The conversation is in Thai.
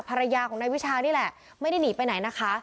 ภรรยาของนายวิชานี่แหละไม่ได้หนีไปไหนนะคะ